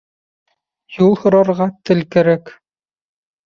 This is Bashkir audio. Юл һорарға тел кәрәк